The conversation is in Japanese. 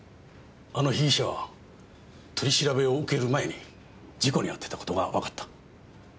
あの被疑者は取り調べを受ける前に事故に遭ってた事がわかった。